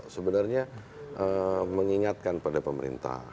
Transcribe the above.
sebenarnya mengingatkan pada pemerintah